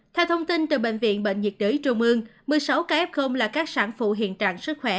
theo thông tin từ bệnh viện bệnh nhiệt đới trung ương một mươi sáu ca f là các sản phụ hiện trạng sức khỏe